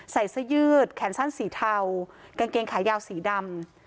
ใส่เสื้อยืดแขนสั้นสีเทากางเกงขายาวสีดำ